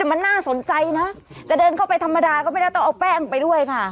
มันน่าสนใจนะจะเดินเข้าไปธรรมดาก็ไม่ได้ต้องเอาแป้งไปด้วยค่ะ